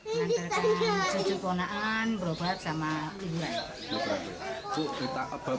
menantarkan cucu konaan berobat sama liburan